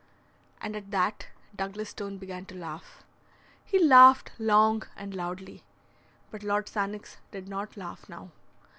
And at that Douglas Stone began to laugh. He laughed long and loudly. But Lord Sannox did not laugh now.